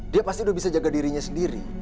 dia pasti udah bisa jaga dirinya sendiri